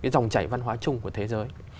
dòng chảy văn hóa chung của thế giới